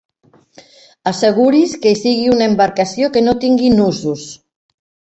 Asseguri's que sigui una embarcació que no tingui nusos.